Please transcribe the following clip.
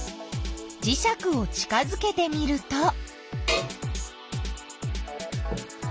じしゃくを近づけてみると。